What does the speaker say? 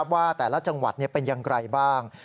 ว่าแต่ละจังหวัดเป็นอย่างไรบ้าง